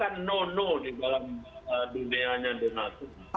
itu kan no no di dalam dunianya donald trump